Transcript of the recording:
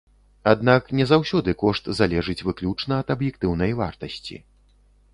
Аднак, не заўсёды кошт залежыць выключна ад аб'ектыўнай вартасці.